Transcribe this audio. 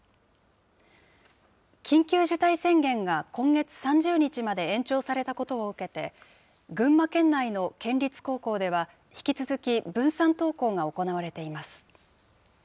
緊急事態宣言が、今月３０日まで延長されたことを受けて、群馬県内の県立高校では、引き続き分散登校が行われています。